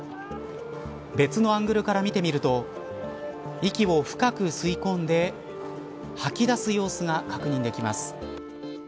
別のアングルから見てみると息を深く吸い込んで吐き出す様子が確認できます。